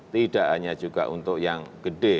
tidak hanya juga untuk yang gede